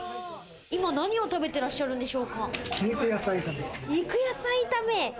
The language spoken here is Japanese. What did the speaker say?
今、何を食べてらっしゃるん肉野菜炒め。